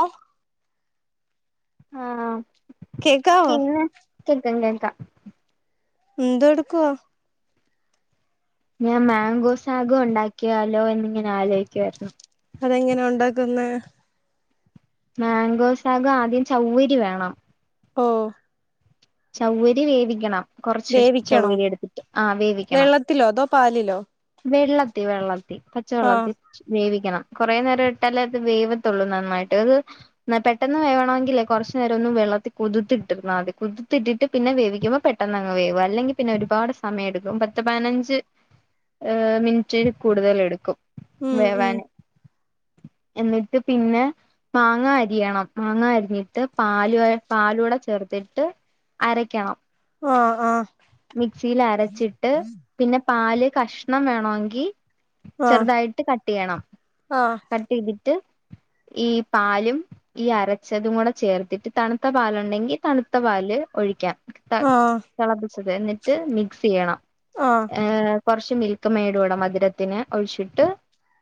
A ആഹ് കേക്കാവോ പിന്നെ കേൾക്ക കേൾക്കാ എന്തോടുക്ക ഞാൻ മാങ്കോസാഗോ ഇണ്ടാക്കിയാലോ എന്നിങ്ങനെ ആലോചിക്കുവായിരുന്നു അതെങ്ങനെ ഉണ്ടാക്കുന്നെ മാംഗോസ്ഗോ ആദ്യം ചൗവരി വേണം ഓഹ് ചൗവരി വേവിക്കണം കുറച്ച വേവിക്കണോ ചൗവരി എടുത്തിട്ട് ആ വേവിക്കണം വെള്ളത്തിലോ അതോ പാലിലോ വെള്ളത്തിൽ വെള്ളത്തിൽ പച്ച ആഹ് വെള്ളത്തിൽ വേവിക്കണം കുറെ നേരം ഇട്ടാലേ അത് വേവത്തുള്ളൂ നന്നായിട്ട് അത് പെട്ടെന്ന് വേണമെങ്കിൽേ കുറച്ചു നേരം ഒന്ന് വെള്ളത്തി കുതിട്ടിരുന്നാൽ മതി കുതിത്തിട്ടിട്ട് പിന്നെ വേവിക്കുമ്പോ പെ പെട്ടെന്ന്ങ് വേകും അല്ലെങ്കി പിന്നെ ഒരുപാട് സമയം എടുക്കും പത്ത് പതിനഞ്ച് ഏഹ് മിനിട്ടിന് കൂടുതൽ എടുക്കും ഉം ഉം വേവാന് എന്നിട്ട് പിന്നെ മാങ്ങ അരിയണം മാങ്ങ അരിഞ്ഞിട്ട് പാലു പാലൂടെ ചേർത്തിട്ട് അരക്കണം ആഹ് ആഹ് മിക്സിൽ അരച്ചിട്ട് പിന്നെ പാല് കഷ്ണം വേണോ എങ്കിൽ ങ് ചെറുതായിട്ട് കട്ട് ചെയ്യണം ആഹ് ആഹ് കട്ട് ട്ടിയ്തിട്ട് ഈ പാലും ഈ അരച്ചതും കൂടെ ചേർത്തിട്ട് തണുത്ത പാലുണ്ടെങ്കിൽ തണുത്ത പാല് ഒഴിക്കാം ആഹ് തെളപ്പിച്ചത് എന്നിട്ട് മിക്സി ചെയ്യണം ആഹ് ഏ കുറച്ച് മിൽ ക്ക് മേടൂടെ മധുരത്തിന് ഒഴിച്ചിട്ട്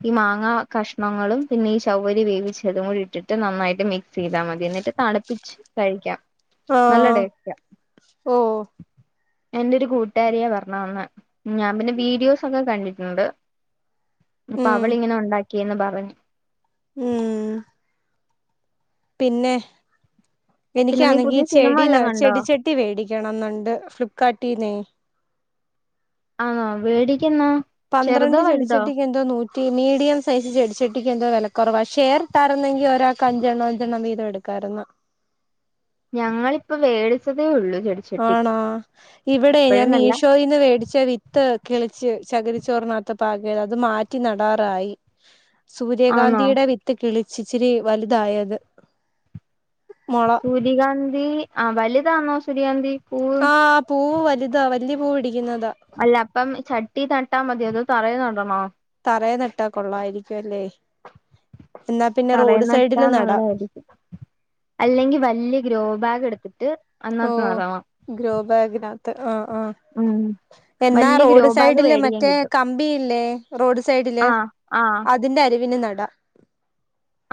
ഈ മാങ്ങാ കഷ്ണങ്ങളും പിന്നെ ഈ ചൗവരി വേവിച്ചതും കൂടി ഇട്ടിട്ട് നന്നായിട്ട് മിക്സ് ചെയ്താൽ മതി എന്നിട്ട് തണുപ്പിച്ച് കഴിക്കാം ആഹ് നല്ലടേസ്റ്റാ ഓ എന്റെ ഒരു കൂട്ടുകാരിയ പറഞ്ഞ തന്നെ ഞാൻ പിന്നെ വീഡിയോസൊക്കെ കണ്ടിട്ടുണ്ട് അപ്പൊ ഉം അവളിങ്ങനെ ഉണ്ടാക്കിയന്ന് പറഞ്ഞു ഉം.... പിന്നെ പിന്നെ നീ എനിക്കാണെങ്കിൽ പുതിയ സിനിമ വല്ലോം കണ്ടോ ചെടി ച മേടിക്കണം എന്നുണ്ട് ഫ്ലിപ്കാർട്ടീന്നെ ആന്നോ മേടികുന്നോ എന്നാ പന്ത്രണ്ട് ചെടിച്ചെട്ടിക്ക് എ എന്തോ നൂറ്റി മീഡിയം സൈസ് ചെടിച്ചട്ടിക്ക് എന്തോ വില കുറവാണ് ഷേർ ഇട്ടിരുന്നെങ്ങ്കിൽ ഒരാൾ അഞ്ചെണ്ണം അഞ്ചെണ്ണം വീത എടുക്കും കാരണം ഞങ്ങൾ ഇപ്പോ മേടിച്ചതേ ഉള്ളൂ ചെടി ആണോ ഇവിടെ ഞാൻ മീഷോയിൽ നീന്ന് മേടിച്ച വിത്ത് കിളിച്ച് ശകരിച്ചോറിനകത്ത പാകിയത് അത് മാറ്റി നടാറായി ആണോ സൂര്യകാന്തിയുടെ വിത്ത് കിളിച്ചിച്ചിരി വലുതായത് മുള സൂര്യകാന്തി ആ വലുതാണോ സൂര്യകാന്തി പൂവ് ആഹ പൂവ് വലുതാ വലിയ പൂ പിടിക്കുന്നതാ അല്ല അപ്പം ചട്ടി നട്ടാ മതി അതോ തറയ നടണോ തറയിൽ നട്ടാ കൊള്ളായിരിക്കും അല്ലേ എന്നാ പിന്നെ തറയിൽ റോഡ് സൈഡില് നടാം അല്ലെങ്കിൽ വല്യ ഗ്രോ ബാഗ് എടുത്തിട്ട് അതിനകത്ത് ഓഹ് നടണം ഗ്രോ ബാഗിനകത്ത് ആഹ് ആഹ് ഉം എന്നാ വല്യ ഗ്രോ റോഡ് ബാഗ് സൈഡില് വേടിക്കാൻ മറ്റേ കിട്ടും കമ്പിയില്ലേ റോഡ് സൈഡില് ആഹ് ആഹ് അത് അതിന്റെ അറിവിന് നട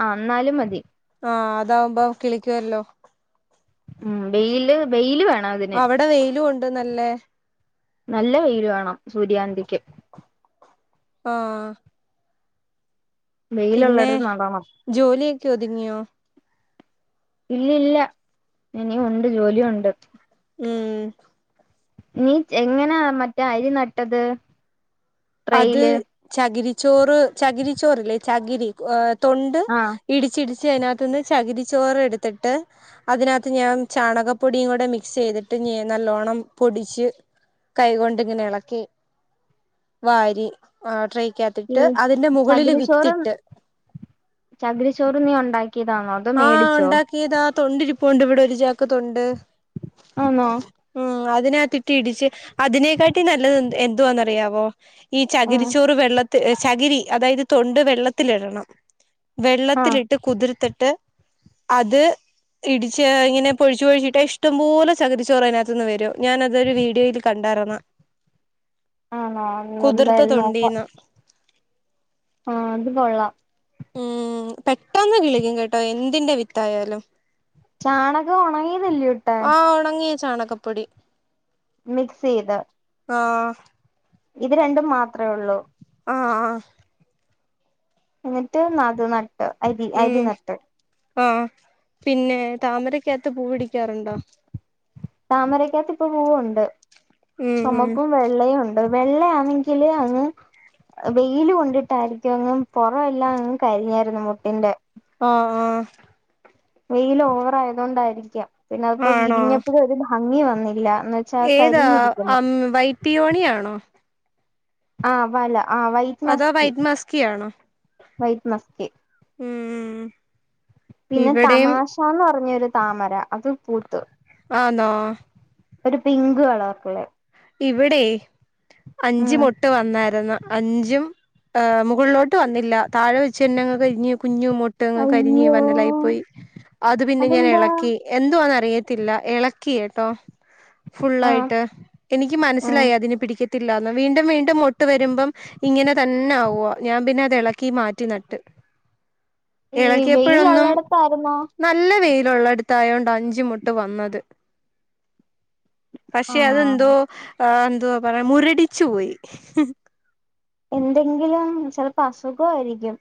ആഹ് ഇന്നാലും മതി ആഹ് അതാവുമ്പം കിളിക്കുവല്ലോ. ഉം ബെയില് ബെയില് വേ അവടെ വെയിലും ഉണ്ട് നല്ലേ നല്ല വെയിൽ വേണം സൂര്യകാന്തിക്ക്. ആഹ് പിന്നെ വെയിലുള്ളടത്ത് നടണം ജോലിയക്കെ ഒതുങ്ങിയോ? ഇല്ല ഇല്ല ഇനിയും ഉണ്ട് ജോലി ഉണ്ട്. ഉം നീ എങ്ങനാ മറ്റേ അരി നട്ടത്? അത് ട്രെയില് ചകിരിച്ചോറ് ചകിരിച്ചോർല്ലേ ചകിരി ഏഹ് തൊണ്ട് ആഹ് ഇടിച്ചിടിച്ച് അതിനകത്ത്ന്ന് ചകിരി ചോറ് എടുത്തിട്ട് അതിനകത്ത് ഞാൻ ചാണകപ്പൊടിയും കൂടെ മിക്സ് ചെയ്തിട്ട് ഞാ നല്ലോണ്ണം പൊടിച്ച് കൈകൊണ്ട് ഇങ്ങനെ എളക്കി വാരി ആഹ് ട്രൈക്കകത്തിട്ട് അതിന്റെ മുകളിൽ വിത്തിട്ട് ചകിരി ചോറ് നീ ഉണ്ടാക്കിയതാണോ? അതോ ആഹ് മേടിച്ചോ ഉണ്ടാക്കിയത തൊണ്ടിരിപ്പുണ്ട് ഇവിടെ ഒരു ചാക്ക് തൊണ്ട്. ആന്നോ ഉം അതിനകത്തിട്ട് ഇടിച്ച് അതിനെക്കാട്ടി നല്ലത് എന്ത് എന്തോന്നറിയാവോ? ഈ ആഹ് ചകിരിച്ചോറ് വെള്ളത്തിൽ ചകിരി അതായത് തൊണ്ട് വെള്ളത്തിലിടണം. ആഹ് വെള്ളത്തിലിട്ട് കുതിർത്തിട്ട് അത് ഇടിച്ച് ഇങ്ങനെ പൊഴിച്ച് പൊഴിച്ചിട്ട് ഇഷ്ടം പോലെ ചകരിച്ചോറ് അതിനകത്ത്ന്ന് വരും ഞാനതൊരു വീഡിയോയിൽ കണ്ടായിരുന്ന് ആണോ കുതിർത്ത എന്തായാലും തൊണ്ടീന്ന് ആഹ് അത് കൊള്ളാം ഉം പെട്ടന്ന് കിളിക്കും കേട്ടോ എന്തിന്റെ വിത്തായാലും ചാണകം ഉണങ്ങിയതല്ലയോട്ടെ ആഹ് ഒണങ്ങിയ ചാണകപ്പൊടി മിക്സ് ചെയ്ത് ആഹ് ഇത് രണ്ടും മാത്രേ ഉള്ളു? ആഹ് ആഹ് എന്നിട്ട് നത് നട്ട് അരി അരി ഉം നട്ട് ആഹ് പിന്നെ താമരക്കകത്ത് പൂ പിടിക്കാറുണ്ടോ? താമരക്കകത്ത് ഇപ്പ പൂവുണ്ട് ഉം ഉം ചുമപ്പും വെ വെള്ളയുണ്ട് വെള്ളയാണെങ്കില് അങ്ങ് വെയില് കൊണ്ടിട്ടായിരിക്കും അങ്ങും പൊറവല്ലാംങ്ങ് കരിഞ്ഞാരുന്നു മുട്ടിന്റെ ആഹ് ആഹ് വെയിൽ ഓവർ ആയതോണ്ടായിരിക്കാം പിന്നെ അതിപ്പോ ആണോ വിരിഞ്ഞപ്പഴ് ഒരു ഭംഗി വന്നില്ല ഇന്ന ഏതാ അം വൈറ്റി മണിയാണോ? ആഹ് വല ആഹ് വൈറ്റ് അതോ മസ്കി വൈറ്റ് മസ്കിയാണോ വൈറ്റ് മസ്കി ഉം പിന്നെ ഇവിടെയും തമാശാന്ന് പറഞ്ഞ ഒരു താമര അത് പൂത്ത്. ആന്നോ? ഒരു പിങ്ക് കളർക്കല്ലേ ഇവിടെ ഉം അഞ്ചുമൊട്ട് വന്നായിരുന്നു അഞ്ചും ഏഹ് മുകളിലോട്ട് വന്നില്ല താഴെവെച്ചന്നെങ്ങ് കരിഞ്ഞ് കുഞ്ഞു മൊ ട്ടങ്ങ് കരിഞ്ഞ് അയ്യോ വന്നലായി പോയി അത് പിന്നെ ഞാൻ അതെന്താ എളക്കി എന്തുവാന്ന് അറിയത്തില്ല എളക്കി കേട്ടോ ആഹ് ഫുള്ളായിട്ട് എനിക്ക് ഉം മനസ്സിലായി അതിന് പിടിക്കത്തില്ലാന്ന് വീണ്ടും വീണ്ടും മൊട്ട് വരുമ്പം ഇങ്ങനെ തന്നെ ആവുവ ഞാൻ പിന്നെ അത് എളക്കി മാറ്റി നട്ട് ഈ എളക്കിയപ്പോഴൊന്നും വെയിലുള്ളടത്തായിരുന്നോ നല്ല വെയിലുള്ളട്ത്തായോണ്ട് അഞ്ച് മൊട്ട് വന്നത് പക്ഷെ ആഹ് അതെന്തോ ആ എന്തോ പറ മുര്ടിച്ചു പോയി എന്തെങ്കിലും ചെലപ്പോ അസുഖായിരിക്കും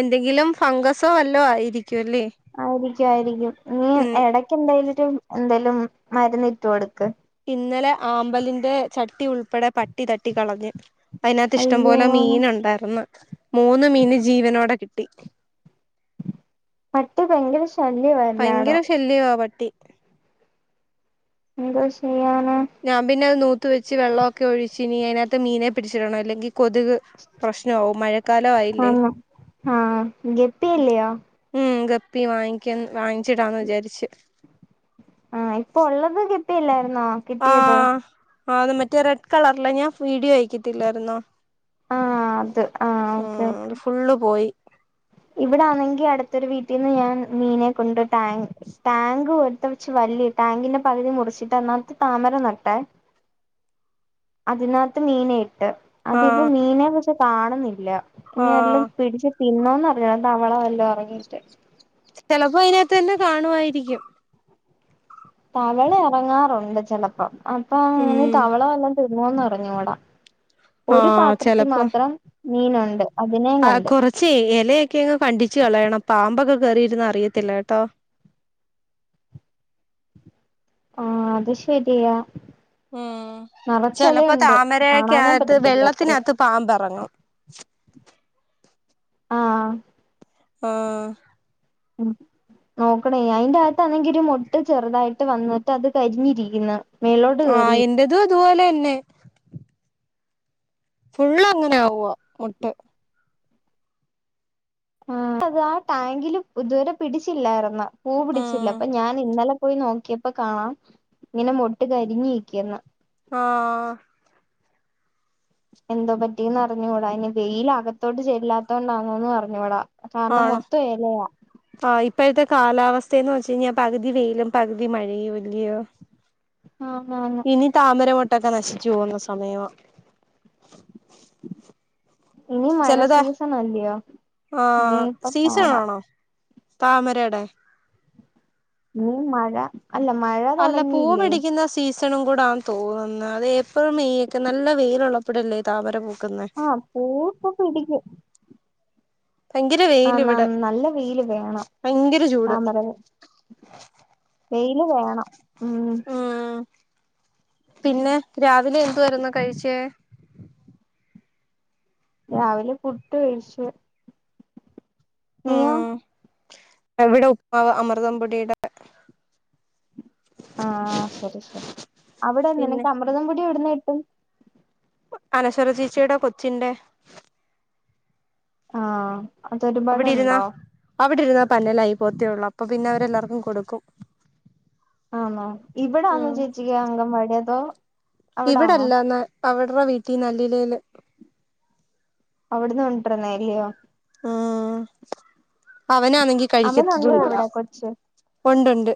എന്തെങ്കിലും ഫംഗസോ വല്ലോ ആയിരിക്കും ല്ലേ ആയിരിക്കും ആയിരിക്കും നീ എടക്ക് എന്തായാലു ഒരു എന്തേലും മരുന്നിട്ടു കൊടുക്ക് ഇന്നലെ ആമ്പലിന്റെ ചട്ടി ഉൾപ്പെടെ പട്ടി തട്ടി കളഞ്ഞ് അയ്നകത്ത് അയ്യോ ഇഷ്ടംപോലെ മീന് ഉണ്ടാർന്ന് മൂന്ന് മീന് ജീവനോടെ കിട്ടി പട്ടി ഭയങ്കര ശല്യം ആ എല്ലായിടം ഇല്ലിയോ പട്ടി എന്തോ ചെയ്യാനാ ഞാൻ പിന്നെ അത് നൂത്ത് വെച്ച് വെള്ളം ഒക്കെ ഒഴിച്ച് നീ അതിനകത്ത് മീനെ പിടിച്ചിടണം അല്ലെങ്കിൽ കൊതുക് പ്രശ്നാവും മഴക്കാല ആയില്ലേ ആന്ന് ആഹ് ഗപ്പിയല്ലയോ ഉം ഗപ്പി വാങ്ങിക്ക വാങ്ങിച്ചിടാന്ന് വിചാരിച്ച് ആഹ് ഇപ്പൊ ഉള്ളത് ഗെപ്പിയില്ലായിരുന്നോ ആഹ് ആ മറ്റേ റെഡ് കളർല ഞാൻ വീഡിയോ അയക്കത്തില്ലായിരുന്നോ ആഹ് അത് ആഹ് ഉം ഓക്കെ ഓക്കേ അത് ഫുള്ള് പോയി ഇവിടെ ആണെങ്കി അട്ത്തൊരു വീട്ടിൽന്ന് ഞാൻ മീനെ കൊണ്ട് ടാങ്ക് ടാങ്ക് പോടുത്ത വെച്ച് വല്യ ടാങ്കിന്റെ പകുതി മുറിച്ചിട്ട് അയ്ന്നകത്ത് താമര നട്ടെ അതിനകത്ത് മീനെ ഇട്ട് അതിപ്പോ ആഹ് മീൻനെ ന്ന്വെച്ചാ കാണുന്നില്ല ഇനി ആഹ് എല്ലാം പിടിച്ചി പിന്നോന്ന് [unintelligible] തവള വല്ലോ എറങ്ങീട്ട് ചെലപ്പോ അയ്നകത്ത് തന്നെ കാണുമായിരിക്കും തവള എറങ്ങാറുണ്ട് ചെലപ്പം അപ്പൊ അങ്ങനെ ഉം തവള എല്ലാം തിന്നോന്ന് അറിഞ്ഞുകൂടാ ഒരു ആഹ് പാത്രത്തിൽ ചെലപ്പോ മാത്രം മീനുണ്ട് അതിനേം ആ കണ്ട് കുറച്ചേ ഇലയൊക്കെങ്ങ് കണ്ടിച്ചു കളയണം പാമ്പൊക്കെ കേറിയിര്ന്ന അറിയത്തില്ല കേട്ടോ ആഹ് അത് ശരിയാ ഉം ചെലപ്പോ നറച്ചെലയുണ്ട് താമരയൊക്കെ കാണാനേ അകത്ത് പറ്റത്തില്ല അത്രയും വെള്ളത്തിനകത്ത് പാമ്പെറങ്ങും ആഹ് ആഹ് ഉം നോക്കണേ അയിന്റെ അകത്താണെങ്കിൽ ഒരു മുട്ട് ചെറുതായിട്ട് വന്നിട്ട് അത് കരിഞ്ഞിരിക്കുന്നു മേലോട്ട് കേറി ആഹ് എന്റതും അതുപോലെന്നെ ഫുള് അങ്ങനെ ആവുവ മുട്ട് ആഹ് അത് ആ ടാങ്കില് ഇതുവരെ പിടിച്ചില്ലായിരുന്ന് പൂ പിടിച്ചില്ല ആഹ് അപ്പൊ ഞാൻ ഇന്നലെ പോയി നോക്കിയപ്പോ കാണാം ഇങ്ങനെ മൊട്ട് കരിഞ്ഞ് ഇരിക്കുന്നു ആഹ് എന്തോ പറ്റിന്ന് അറിഞ്ഞൂടാ ഇനി വെയിൽ അകത്തോട്ട് ചെല്ലാത്തോണ്ടാണോന്ന് അറിഞ്ഞൂടാ കാരണം മൊത്തഎലയ ആ ഇപ്പഴത്തെ കാലാവസ്ഥയെന്ന് വെച്ച് കഴിഞ്ഞാ പകുതി വെയിലും പകുതി മഴയുവല്യോ ആന്നാന്ന് നി താമരമൊട്ടൊക്കെ നശിച്ചു പോകുന്ന സമയമാ ഇനി മഴ ചെലത് സീസൺ അല്ലിയോ ഇനിയിപ്പ പാട താമരേടെ ഇനീ മഴ അല്ല മഴ അല്ല പൂ തൊടങ്ങിയില്ലേ പിടിക്കുന്ന സീസ് സണും കൂടാന്ന് തോന്ന്ന്ന് അത് ഏപ്രിൽ മെയ് ഒക്കെ നല്ല വെയിലുള്ള പ്പടല്ലേ താമര പൂക്കുന്നെ ആഹ് പൂവിപ്പൊ പിടിക്കും ഭയങ്കര വെയില് ഇവിടെ ആന്നാന്ന് നല്ല വെയില് വേണം ഭയങ്കര ചൂട് താമര വെയില് വേണം ഉം ഉം പിന്നെ രാവിലെ എന്തു വാരുന്ന് കഴിച്ചേ രാവിലെ പുട്ട് കഴിച്ച് നീയോ ഉം ഇവിടെ ഉപ്പ്മാവ് അമൃതംപൊടിയുടെ ആ ശരി ശരി അവിടെ പിന്നെ നിനക്ക് അമൃതംപൊടി എവിടന്ന് കിട്ടും അനശ്വര ചേച്ചിയുടെ കൊച്ചിന്റെ ആഹ് അവിടിരുന്ന അതൊരുപാടുണ്ടോ അവിടിരുന്നാ പന്നലായി പോത്തേ ഒള്ളൂ അപ്പൊ പിന്നെ അവരെല്ലാവർക്കും കൊടുക്കും ആന്നോ ഇവിടാന്നോ ഉം ചേച്ചിക്ക് അങ്കൻവാടി അതോ അവിടാന്നോ ഇവിടല്ല ന അവിരുടെ വീട്ടി നല്ലിലേല് അവിടന്ന് കൊണ്ടിരുന്നേ അല്ലിയോ ആഹ് അവനാണെങ്കി അവനുണ്ടോ കഴിക്കത്തതുംഇല്ല ഇവിടെ കൊച്ച് ഒണ്ടൊണ്ട്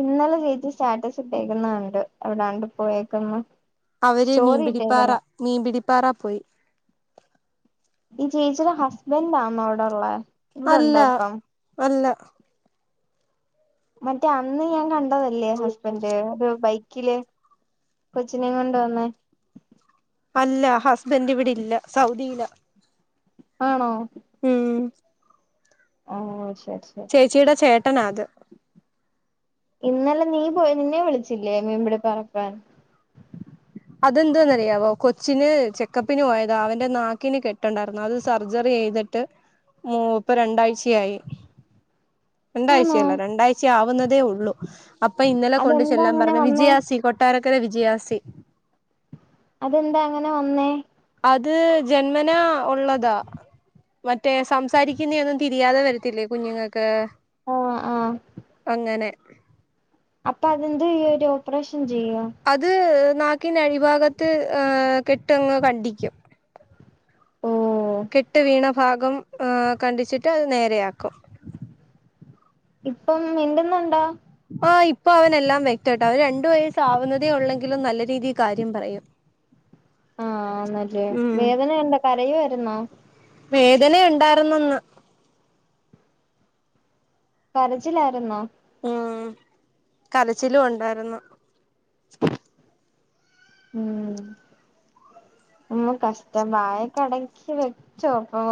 ഇന്നലെ ചേച്ചി സ്റ്റാറ്റസ് ഇട്ടേക്കുന്നണ്ട് എവിടാണ്ട് പോയേക്ക്ന്ന് അവര് മീൻപിടിപ്പാറ മീൻപിടിപ്പാറ പോയി ഈ ചേച്ചിയുടെ ഹസ്ബൻഡ് ആന്നോ അവിടെ ഒള്ളെ അല്ല ഇവിടൊണ്ടോ ഇപ്പം അല്ല മറ്റേ അന്ന് ഞാൻ കണ്ടതല്ലേ ഹസ്ബൻഡ് ഒരു ബൈക്കില് കൊച്ചിനേം കൊണ്ട് വന്നേ അല്ല ഹസ്ബൻഡ് ഇവിടെ ഇല്ല സൗദിയില ആണോ ഉം ഓ ശരി ശരി ചേച്ചിയുടെ ചേട്ടന അത് ഇന്നലെ നീ പോയി നിന്നെ വിളിച്ചില്ലേ മീൻപിടി പാറെ പോകാൻ അതെന്താന്നറിയാവോ കൊച്ചിന് ചെക്കപ്പിന് പോയതാ അവന്റെ നാക്കിന് കെട്ടൊണ്ടായിരുന്നു അത് സർജറി ചെയ്തിട്ട് മൂ ഇപ്പൊ രണ്ടാഴ്ചയായി ആണോ രണ്ടാഴ്ചയല്ല രണ്ടാഴ്ച ആവുന്നതേ ഒള്ളൂ അപ്പൊ ഇന്നലെ കൊണ്ട് അതെന്താ ചെല്ലാൻ അങ്ങനെ പറഞ്ഞു വന്നേ വിജയാസി കൊട്ടാരക്കര വിജയാസി അതെന്താ അങ്ങനെ വന്നേ അത് ജന്മനാ ഒള്ളതാ മറ്റേ സംസാരിക്കുന്ന ഒന്നും തിരിയാതെ വരത്തില്ലേ കുഞ്ഞുങ്ങൾക്ക് ആഹ് ആഹ് അങ്ങനെ അപ്പൊ അതെന്ത് ചെയ്യും അവര് ഓപ്പറേഷൻ ചെയ്യുവോ അത് നാക്കിന്റെ അടിഭാഗത്ത് കെട്ട് അങ്ങ് കണ്ടിക്കും. ഓ കെട്ട് വീണ ഭാഗം ഏഹ് കണ്ടിച്ചിട്ട് അത് നേരെയാക്കും. ഇപ്പം മിണ്ടുന്നുണ്ടോ? ആ ഇപ്പൊ അവനെല്ലാം വ്യക്തമായിട്ട് അവന് രണ്ടു വയസാവുന്നതേ ഒള്ളെങ്കിലും നല്ല രീതിയി കാര്യം പറയും. ആ ആന്നല്ലേ ഉം വേദനയുണ്ടോ കരയുവായിരുന്നോ? വേദന ഉണ്ടാരിന്നന്ന്. കരച്ചിലാരുന്നോ? ഉം കരച്ചിലും ഉണ്ടാരുന്നു. ഉം ഒന്ന് കഷ്ടം വായ അടക്കി വെച്ചോ ഇപ്പൊ